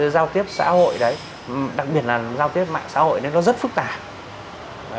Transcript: giao tiếp xã hội đặc biệt là giao tiếp mạng xã hội nó rất phức tạp